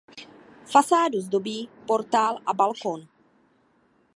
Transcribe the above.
Fasádu zdobí portál a balkon.